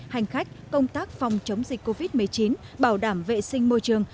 hành khách công tác phòng chống dịch covid một mươi chín bảo đảm vệ sinh môi trường